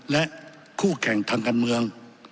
และคู่แข่งทางการเมือง